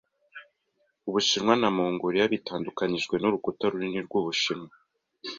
Ubushinwa na Mongoliya bitandukanijwe n'Urukuta runini rw'Ubushinwa.